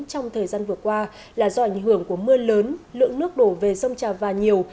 trong thời gian vừa qua là do ảnh hưởng của mưa lớn lượng nước đổ về sông trà và nhiều